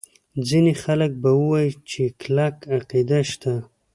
ځیني خلک به ووایي چې کلکه عقیده شته.